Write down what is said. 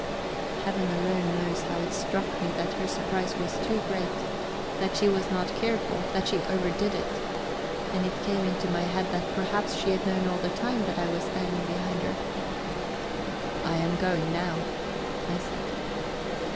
Heaven alone knows, but it struck me that her surprise was too great; that she was not careful, that she overdid it. And it came into my head that perhaps she had known all the time that I was standing behind her. "I am going now," I said.